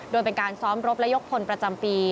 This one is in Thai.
โดยเป็นการซ้อมรบและยกพลประจำปี